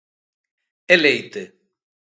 É leite.